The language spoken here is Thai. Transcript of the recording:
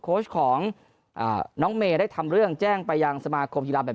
โค้ชของน้องเมย์ได้ทำเรื่องแจ้งไปยังสมาคมกีฬาแบบ